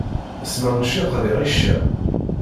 S manci qdiɣ icca.